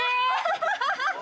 ハハハハ！